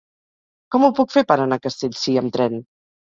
Com ho puc fer per anar a Castellcir amb tren?